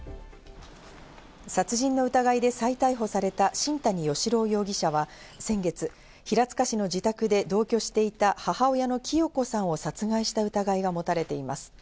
殺人の疑いで再逮捕された新谷嘉朗容疑者は先月、平塚市の自宅で同居していた母親の清子さんを殺害した疑いが持たれています。